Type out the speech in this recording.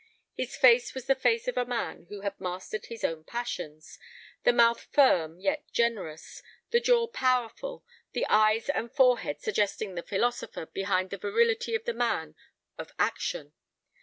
His face was the face of a man who had mastered his own passions, the mouth firm yet generous, the jaw powerful, the eyes and forehead suggesting the philosopher behind the virility of the man of action.